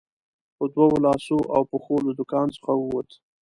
په دوو لاسو او پښو له دوکان څخه ووت.